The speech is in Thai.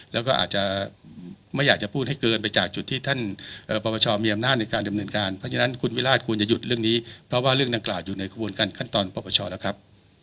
แล้วก็อาจจะไม่อยากจะพูดให้เกินไปจากจุดที่ท่านปรปชมีอำนาจในการดำเนินการเพราะฉะนั้นคุณวิราชควรจะหยุดเรื่องนี้เพราะว่าเรื่องดังกล่าวอยู่ในขบวนการขั้นตอนปรปชแล้วครับ